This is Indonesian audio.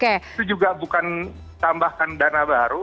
itu juga bukan tambahkan dana baru